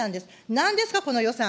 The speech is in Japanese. なんですか、この予算。